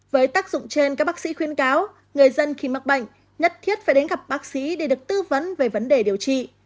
với tác dụng trên các bác sĩ khuyên cáo người dân khi mắc bệnh nhất thiết phải đến gặp bác sĩ để được tư vấn về vấn đề điều trị